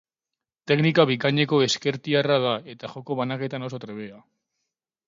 Teknika bikaineko ezkertiarra da eta joko banaketan oso trebea.